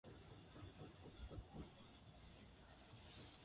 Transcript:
砂時計の砂、全部数えます。